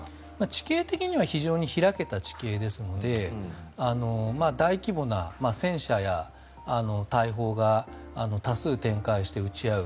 地形的には非常に開けた地形ですので大規模な戦車や大砲が多数展開して撃ち合う